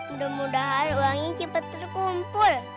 mudah mudahan uangnya cepat terkumpul